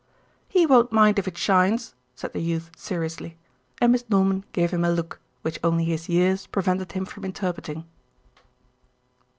"He won't mind if it shines," said the youth seriously; and Miss Norman gave him a look, which only his years prevented him from interpreting.